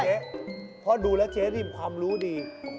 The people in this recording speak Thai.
ทำให้เจ๊พอดูแล้วเจ๊ได้ริมความรู้ดี